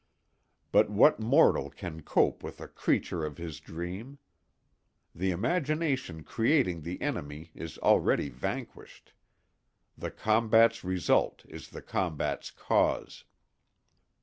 But what mortal can cope with a creature of his dream? The imagination creating the enemy is already vanquished; the combat's result is the combat's cause.